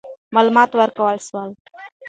معلومات ورکول سول.